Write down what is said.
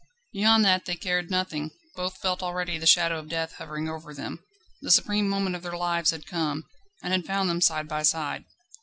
Beyond that they cared nothing. Both felt already the shadow of death hovering over them. The supreme moment of their lives had come, and had found them side by side.